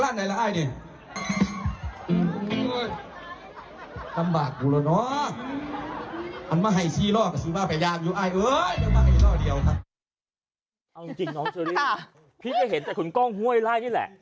น้องเจอรี่พี่จะเห็นแต่คุณก้องห่วยไร่นี่แหละ